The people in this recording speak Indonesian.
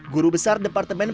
guru besar departemen perancis